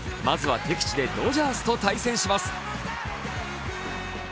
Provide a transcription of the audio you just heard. まずは、敵地でドジャースと対戦します。